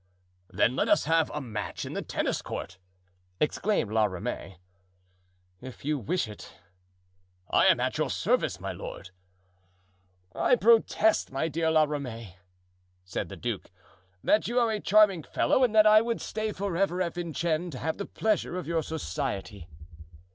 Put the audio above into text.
"Then let us have a match in the tennis court," exclaimed La Ramee. "If you wish it." "I am at your service, my lord." "I protest, my dear La Ramee," said the duke, "that you are a charming fellow and that I would stay forever at Vincennes to have the pleasure of your society."